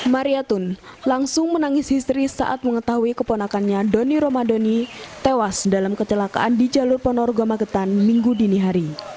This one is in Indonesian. mariatun langsung menangis histeris saat mengetahui keponakannya doni romadoni tewas dalam kecelakaan di jalur ponorogo magetan minggu dini hari